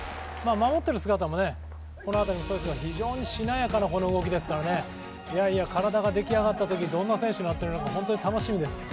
守っている姿も非常にしなやかな動きですから体ができ上がったとき、どんな選手になっているのか、本当に楽しみです。